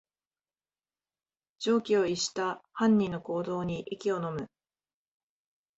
常軌を逸した犯人の行動に息をのむ